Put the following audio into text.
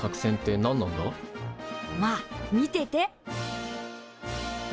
まあ見てて。